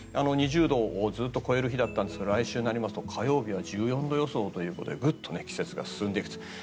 ２０度をずっと超える日だったんですが来週になりますと火曜日は１４度予想ということでグッと季節が進んでいくと。